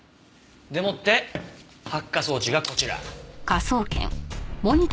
でもって発火装置がこちら。